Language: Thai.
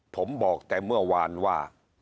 ผมบอกแต่เมื่อวานว่า